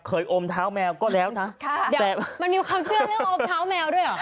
อมเท้าแมวก็แล้วนะค่ะแต่มันมีความเชื่อเรื่องอมเท้าแมวด้วยเหรอ